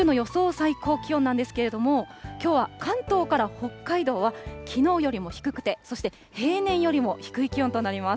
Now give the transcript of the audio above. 最高気温なんですけれども、きょうは関東から北海道は、きのうよりも低くて、そして、平年よりも低い気温となります。